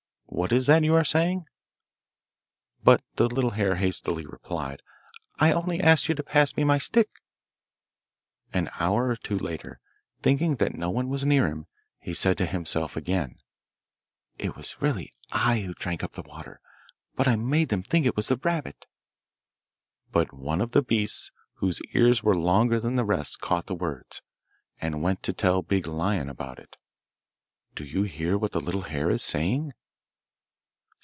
what is that you are saying?' But the little hare hastily replied, 'I only asked you to pass me my stick.' An hour or two later, thinking that no one was near him, he said to himself again, 'It was really I who drank up the water, but I made them think it was the rabbit.' But one of the beasts whose ears were longer than the rest caught the words, and went to tell Big Lion about it. Do you hear what the little hare is saying?